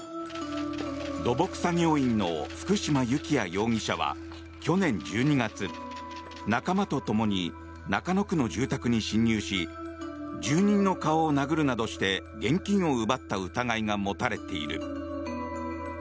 土木作業員の福嶋幸也容疑者は去年１２月、仲間とともに中野区の住宅に侵入し住人の顔を殴るなどして現金を奪った疑いが持たれている。